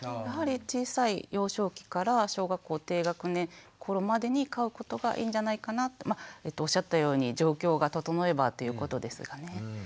やはり小さい幼少期から小学校低学年ころまでに飼うことがいいんじゃないかなまっおっしゃったように状況が整えばっていうことですがね。